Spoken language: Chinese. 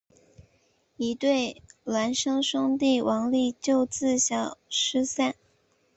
一对孪生兄弟王利就自小失散。